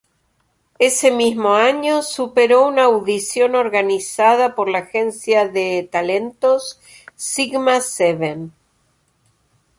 Ese mismo año, superó una audición organizada por la agencia de talentos Sigma Seven.